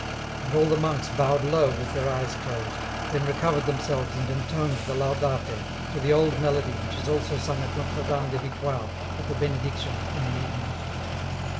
And all the monks bowed low with their eyes closed, then recovered themselves and entoned the " Laudate " to the old melody which is also sung at Notre Dame des Victoires at the Benediction in the evening.